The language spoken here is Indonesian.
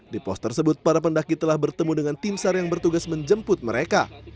di pos tersebut para pendaki telah bertemu dengan tim sar yang bertugas menjemput mereka